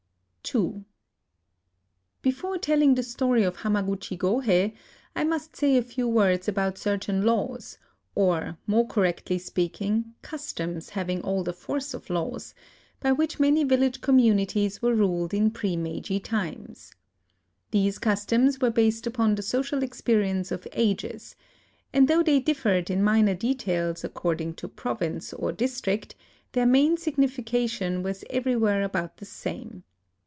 II Before telling the story of Hamaguchi Gohei, I must say a few words about certain laws — or, more correctly speaking, customs having all the force of laws — by which many village communities were ruled in pre Meiji times. These customs were based upon the social experience of ages ; and though they differed in minor details according to province A LIVING GOD 13 or district, tlieir main signification was every where about the same.